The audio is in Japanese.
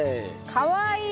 かわいい。